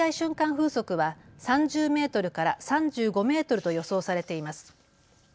風速は３０メートルから３５メートルと予想されています。